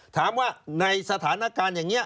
ถามว่าในสถานการณ์อย่างนี้